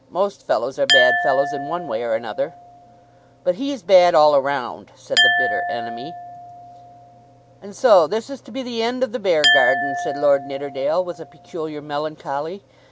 Most fellows are bad fellows in one way or another." "But he's bad all round," said the bitter enemy. "And so this is to be the end of the Beargarden," said Lord Nidderdale with a peculiar melancholy.